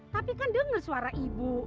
tapi kan denger suara ibu